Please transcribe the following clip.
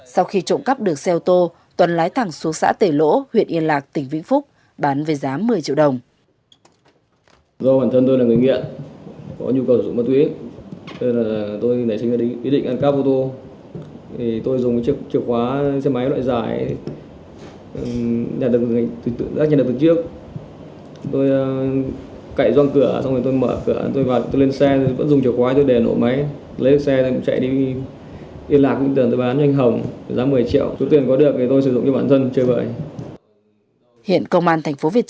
sau khi trộm cắp được xe ô tô tuấn lái thẳng xuống xã tể lỗ huyện yên lạc tỉnh vĩnh phúc bán về giá một mươi triệu đồng